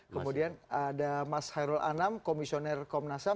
kemudian ada mas hairul anam komisioner komnas ham